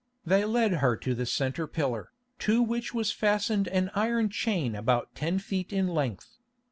They led her to the centre pillar, to which was fastened an iron chain about ten feet in length.